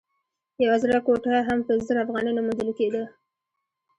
ډېره زړه کوټه هم په زر افغانۍ نه موندل کېده.